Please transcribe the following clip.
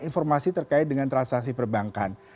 informasi terkait dengan transaksi perbankan